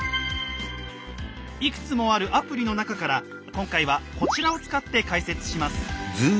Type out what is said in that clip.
いくつもあるアプリの中から今回はこちらを使って解説します。